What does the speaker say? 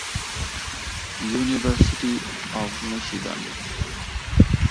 University of Michigan.